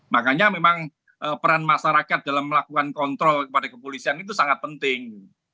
makanya memang peran masyarakat dalam melakukan kontrol kepada kepolisian itu sangat penting